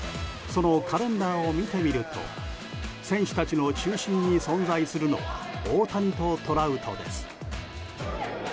そのカレンダーを見てみると選手たちの中心に存在するのは大谷とトラウトです。